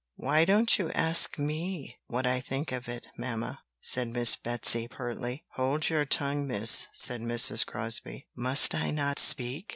"Why don't you ask me what I think of it, mamma?" said Miss Betsy, pertly. "Hold your tongue, miss!" said Mrs. Crosbie. "Must I not speak?"